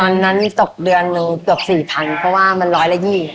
ตอนนั้นตกเดือนหนึ่งตก๔๐๐๐เพราะว่ามันร้อยละยี่